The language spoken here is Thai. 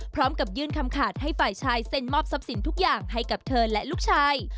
พร้อมกับยื่นคำขาดให้ฝ่ายชายเซ็นมอบทรัพย์สินทุกอย่างให้กับเธอและลูกชาย